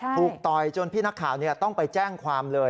ต่อยจนพี่นักข่าวต้องไปแจ้งความเลย